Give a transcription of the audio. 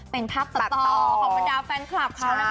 เป็นภาพตัดต่อของบรรดาแฟนคลับเขานะคะ